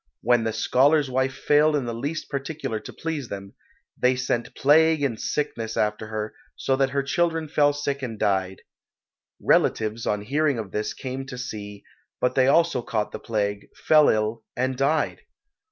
When the scholar's wife failed in the least particular to please them, they sent plague and sickness after her, so that her children fell sick and died. Relatives on hearing of this came to see, but they also caught the plague, fell ill and died.